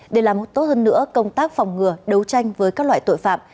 để làm tốt hơn nữa công tác phòng ngừa đấu tranh với các loại tội phạm